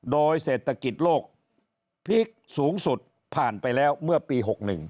โดยเศรษฐกิจโลกพลิกสูงสุดผ่านไปแล้วเมื่อปี๖๑